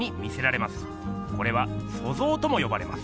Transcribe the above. これは「塑造」ともよばれます。